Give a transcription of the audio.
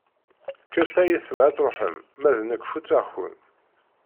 Kkert ay ayetma ad truḥem, ma d nekk futeɣ-ken.